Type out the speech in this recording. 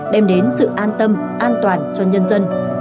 đem đến sự an tâm an toàn cho nhân dân